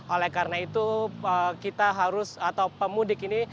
oleh karena itu kita harus atau pemudik ini